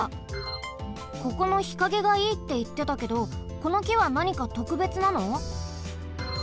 ここの日陰がいいっていってたけどこのきはなにかとくべつなの？